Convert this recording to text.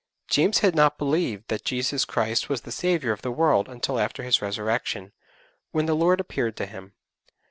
James had not believed that Jesus Christ was the Saviour of the world until after His Resurrection, when the Lord appeared to him.